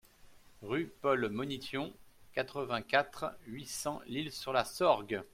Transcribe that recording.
Rue Paul Monition, quatre-vingt-quatre, huit cents L'Isle-sur-la-Sorgue